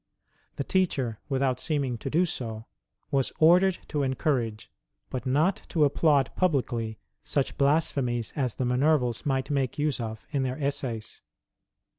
The teacher, without seeming to do so, was ordered to encourage, but not to applaud publicly, such blasphemies as the Minervals might make use of in their essays.